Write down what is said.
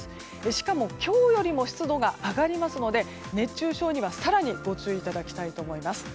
しかも、今日よりも湿度が上がりますので熱中症には更にご注意いただきたいと思います。